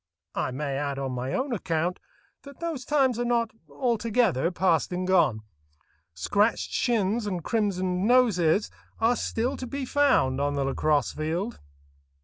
I may add on my own account that those times are not altogether past and gone. Scratched shins and crimsoned noses are still to be found on the lacrosse field.